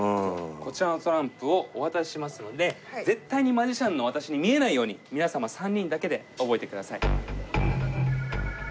こちらのトランプをお渡ししますので絶対にマジシャンの私に見えないように皆様３人だけで覚えてください。